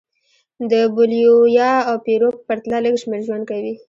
د بولیویا او پیرو په پرتله لږ شمېر ژوند کوي.